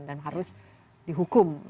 dan harus dihukum